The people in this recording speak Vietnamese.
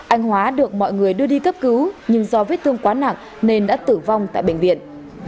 anh hóa được mọi người đưa đi cấp cứu nhưng do vết thương quá nặng nên đã tử vong tại bệnh viện